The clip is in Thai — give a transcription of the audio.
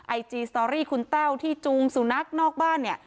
ไอจีสตอรี่คุณแต้วที่จูงสุนัขนอกบ้านเนี่ย